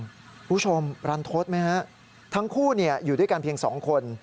คุณผู้ชมรันทศไหมฮะทั้งคู่อยู่ด้วยกันเพียงสองคน